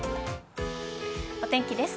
お天気です。